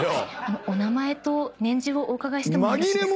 お名前と年次をお伺いしてもよろしいですか？